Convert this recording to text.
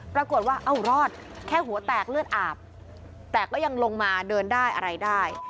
ปรากฏว่าเอารอดแค่หัวแตกเลือดอาบแต่ก็ยังลงมาเดินได้อะไรได้